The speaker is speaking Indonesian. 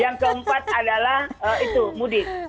yang keempat adalah itu mudik